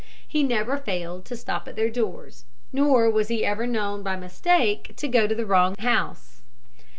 He never failed to stop at their doors, nor was he ever known by mistake to go to the wrong house.